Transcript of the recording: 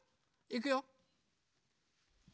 いくよ。